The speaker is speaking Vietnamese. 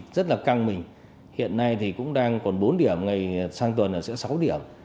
bố trí là căng mình hiện nay thì cũng đang còn bốn điểm ngày sang tuần là sẽ sáu điểm